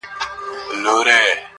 خو لا نن هم دی رواج د اوسنیو!!